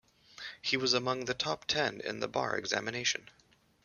He was among the top ten in the bar examination.